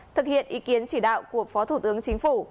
thực hiện ý kiến chỉ đạo của phó thủ tướng chính phủ